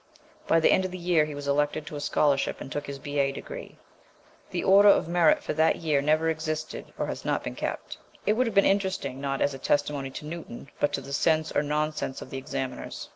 By the end of the year he was elected to a scholarship and took his B.A. degree. The order of merit for that year never existed or has not been kept. It would have been interesting, not as a testimony to Newton, but to the sense or non sense of the examiners.